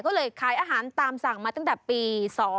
ก็เลยขายอาหารตามสั่งมาตั้งแต่ปี๒๕๖